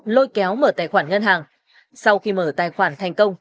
lôi kéo mở tài khoản ngân hàng sau khi mở tài khoản thành công